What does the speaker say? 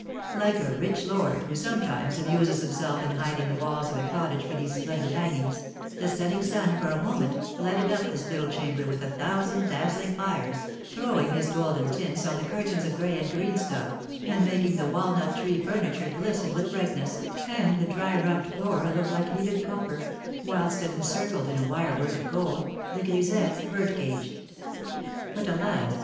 Like a rich lord, who sometimes amuses himself in hiding the walls of a cottage beneath splendid hangings, the setting sun for a moment lighted up this little chamber with a thousand dazzling fires, throwing his golden tints on the curtains of gray and green stuff, and making the walnut tree furniture glisten with brightness, and the dry rubbed floor look like heated copper; whilst it encircled in a wire work of gold the grisette's bird cage. But, alas!